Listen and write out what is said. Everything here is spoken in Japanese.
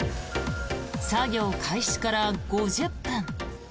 作業開始から５０分。